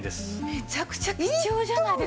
めちゃくちゃ貴重じゃないですか。